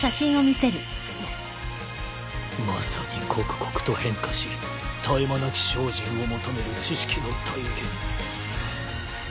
まさに刻々と変化し絶え間なき精進を求める知識の体現。